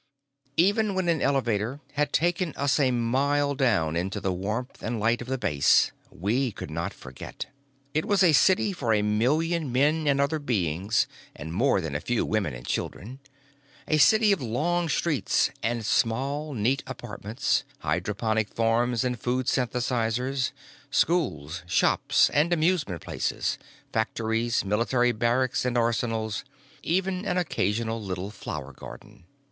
Even when an elevator had taken us a mile down into the warmth and light of the base, we could not forget. It was a city for a million men and other beings and more than a few women and children, a city of long streets and small neat apartments, hydroponic farms and food synthesizers, schools, shops and amusement places, factories, military barracks and arsenals, even an occasional little flower garden.